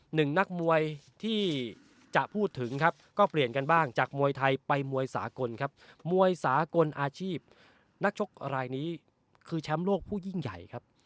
หนึ่งนักมวยที่จะพูดถึงครับก็เปลี่ยนกันบ้างจากมวยไทยไปมวยสากลครับมวยสากลอาชีพนักชกรายนี้คือแชมป์โลกผู้ยิ่งใหญ่ครับ